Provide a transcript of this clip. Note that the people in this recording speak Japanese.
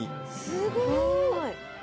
すごーい！